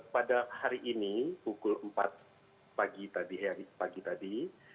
pada hari ini pukul empat pagi tadi